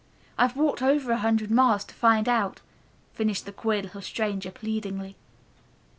I've walked over a hundred miles to find out," finished the queer little stranger pleadingly.